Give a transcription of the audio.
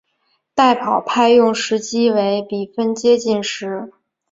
代跑派用时机为比分接近时。